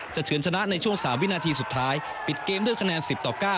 เฉินชนะในช่วง๓วินาทีสุดท้ายปิดเกมด้วยคะแนน๑๐ต่อ๙